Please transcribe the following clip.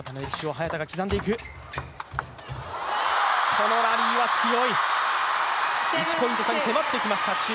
このラリーは強い、１ポイント差に迫ってきました。